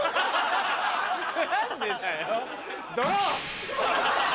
何でだよ。